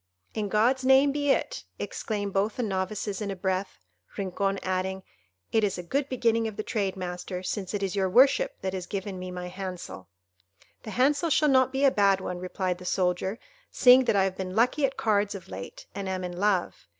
"In God's name be it!" exclaimed both the novices in a breath—Rincon adding, "It is a good beginning of the trade, master, since it is your worship that is giving me my hansel." "The hansel shall not be a bad one," replied the soldier, "seeing that I have been lucky at cards of late, and am in love.